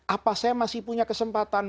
apa saya masih punya kesempatan